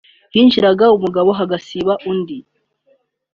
hinjiraga umugabo hagasiba undi